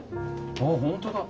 ああ本当だ。